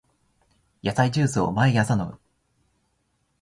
野菜ジュースを毎朝飲む